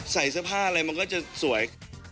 ใส่เสื้อผ้าอะไรมันก็จะสวย